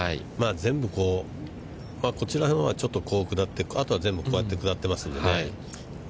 全部こちらのほうがちょっと下ってあとは全部、こうやって下ってますからね。